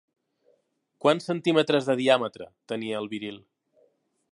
Quants centímetres de diàmetre tenia el viril?